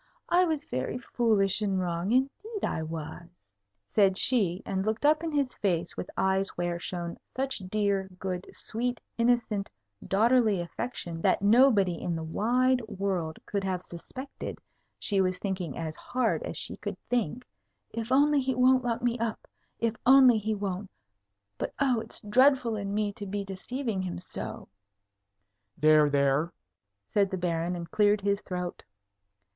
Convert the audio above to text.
I was very foolish and wrong. Indeed I was," said she, and looked up in his face with eyes where shone such dear, good, sweet, innocent, daughterly affection, that nobody in the wide world could have suspected she was thinking as hard as she could think, "If only he won't lock me up! if only he won't! But, oh, it's dreadful in me to be deceiving him so!" "There, there!" said the Baron, and cleared his throat.